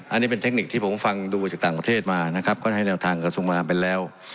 อันนี้เป็นเทคนิคที่ผมฟังดูจากต่างประเทศมานะครับก็ให้แนวทางกระทรวงมหามไปแล้ว